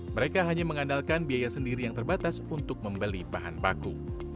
mereka hanya mengandalkan biaya sendiri yang terbatas untuk membeli bahan baku